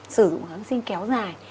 sử dụng kháng sinh kéo dài